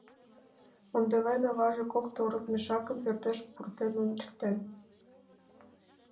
Ондален, аваже кок торык мешакым пӧртыш пуртен ончыктен.